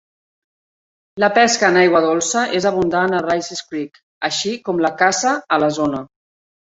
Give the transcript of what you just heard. La pesca en aigua dolça és abundant a Rices Creek, així com la caça a la zona.